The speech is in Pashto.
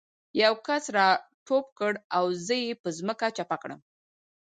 یو کس را ټوپ کړ او زه یې په ځمکه چپه کړم